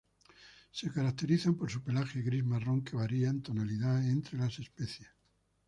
Se caracterizan por su pelaje gris-marrón, que varía en tonalidad entre las especies.